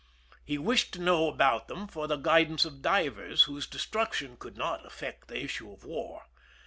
He wished to know about them for the guidance of divers, whose destruction could not affect the issue of war.